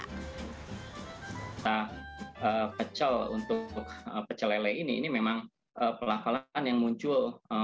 kata pecel untuk pecelele ini memang pelakalan yang muncul